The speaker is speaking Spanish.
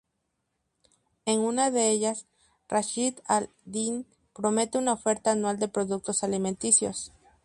En una de ellas, Rashid al-Din promete una oferta anual de productos alimenticios.